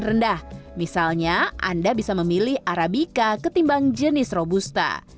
rendah misalnya anda bisa memilih arabica ketimbang jenis robusta